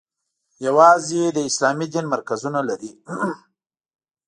یوازې د اسلامي دین مرکزونه لري.